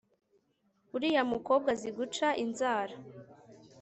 uriya mukobwa azi guca inzara